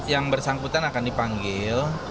yang bersangkutan akan dipanggil